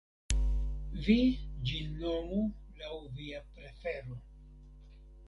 Vi ĝin nomu laŭ via prefero.